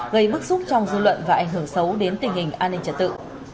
gây bức xúc trong dư luận và ảnh hưởng xấu đến tình hình an ninh trật tự